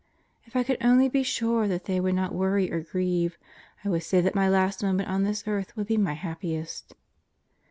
If I could only be sure that they would not worry or grieve, I would say that my last moment on this earth would be my happiest.